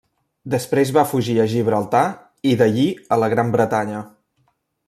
Després va fugir a Gibraltar i d'allí a la Gran Bretanya.